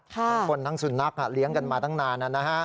ทั้งคนทั้งสุนัขเลี้ยงกันมาตั้งนาน